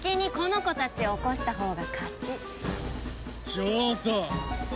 上等！